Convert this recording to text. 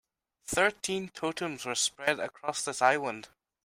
Thirteen totems were spread across this island.